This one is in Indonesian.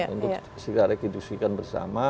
untuk secara didukung bersama